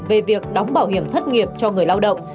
về việc đóng bảo hiểm thất nghiệp cho người lao động